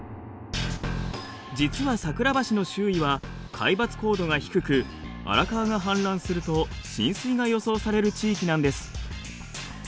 実は桜橋の周囲は海抜高度が低く荒川が氾濫すると浸水が予想される地域なんです。